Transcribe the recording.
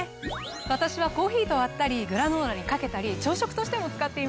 私はコーヒーと割ったりグラノーラにかけたり朝食としても使っています。